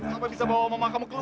kamu bisa bawa mamah kamu keluar